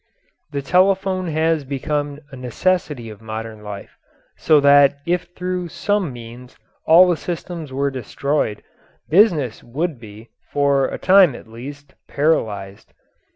The telephone has become a necessity of modern life, so that if through some means all the systems were destroyed business would be, for a time at least, paralysed.